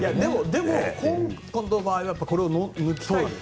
でも今度の場合はこれを抜きたいと。